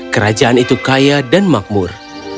kerajaan itu kaya dan makmur